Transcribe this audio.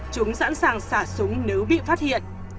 chúng sẵn sàng xả súng nếu bị phát hiện